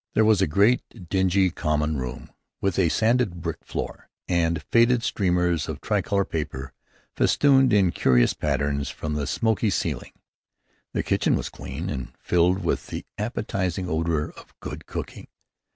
There was a great dingy common room, with a sanded brick floor, and faded streamers of tricolor paper festooned in curious patterns from the smoky ceiling. The kitchen was clean, and filled with the appetizing odor of good cooking.